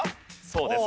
そうです。